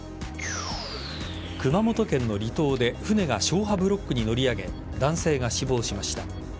熊本県の離島で船が消波ブロックに乗り上げ男性が死亡しました。